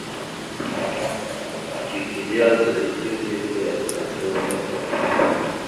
Cikiɗe azaɗ etew lele aka ga zalŋa kazaŋ.